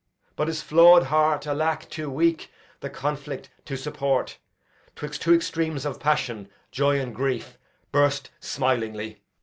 But his flaw'd heart (Alack, too weak the conflict to support!) 'Twixt two extremes of passion, joy and grief, Burst smilingly.